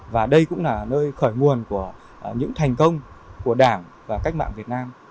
và đây cũng là nơi khởi nguồn của những thành công của đảng và cách mạng việt nam